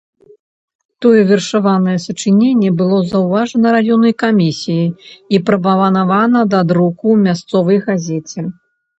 Тое вершаванае сачыненне было заўважана раённай камісіяй і прапанавана да друку ў мясцовай газеце.